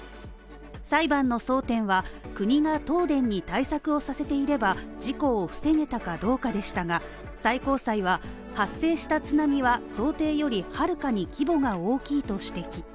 裁判の争点は、国が東電に対策をさせていれば事故を防げたかどうかでしたが最高裁は発生した津波は想定よりはるかに規模が大きいと指摘。